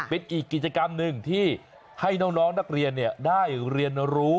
เป็นอีกกิจกรรมหนึ่งที่ให้น้องนักเรียนได้เรียนรู้